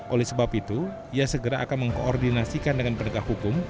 oleh sebab itu ia segera akan mengkoordinasikan dengan penegak hukum